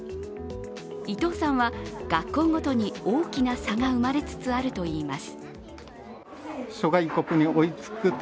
伊藤さんは学校ごとに大きな差が生まれつつあるといいます。